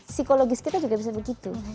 psikologis kita juga bisa begitu